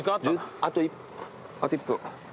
あと１分。